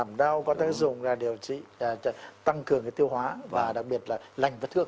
giảm đau có tác dụng là điều trị tăng cường cái tiêu hóa và đặc biệt là lành vật thương